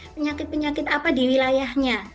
penyakit penyakit apa di wilayahnya